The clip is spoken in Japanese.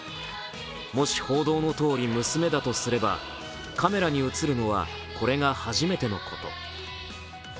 もし報道のとおり、娘だとすればカメラに映るのはこれが初めてのこと。